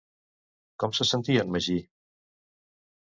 Com se sentia en Magí?